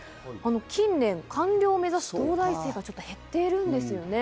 近年、官僚を目指す東大生が減っているんですよね。